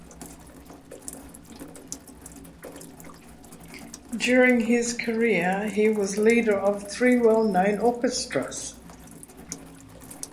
During his career he was leader of three well known orchestras.